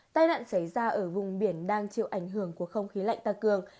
tai nạn xảy ra ở vùng biển đang chịu ảnh hưởng của không khí lạnh tăng cường